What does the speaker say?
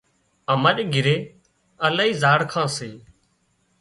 اماري گھري الاهي زاڙکان سي